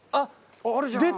出た！